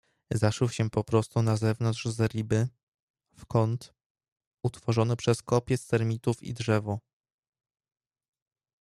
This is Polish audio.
Zaszył się poprostu na zewnątrz zeriby, w kąt, utworzony przez kopiec termitów i drzewo.